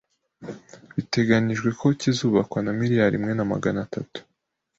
biteganyijwe ko kizubakwa na miliyari imwe namagana atatu